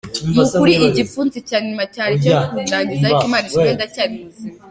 Mu kuri igipfunsi cya nyuma cyari icyo kundangiza ariko Imana ishimwe ndacyari muzima.”